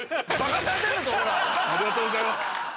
ありがとうございます。